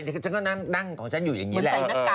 ฉันก็นั่งของฉันอยู่อย่างนี้แหละ